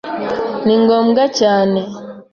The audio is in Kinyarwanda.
Ni ngombwa cyane.